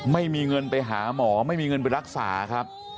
ไม่มีเงินไปหาหมอไม่มีเงินไปรักษาครับ